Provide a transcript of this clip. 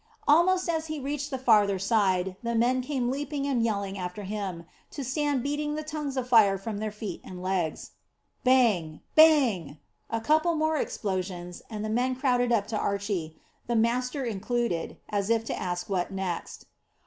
Almost as he reached the farther side, the men came leaping and yelling after him, to stand beating the tongues of fire from their feet and legs. Bang bang a couple more explosions, and the men crowded up to Archy, the master included, as if to ask what next.